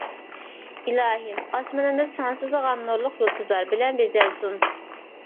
ئىلاھىم ئاسمىنىمىز سانسىزلىغان نۇرلۇق يۇلتۇزلار بىلەن بېزەلسۇن.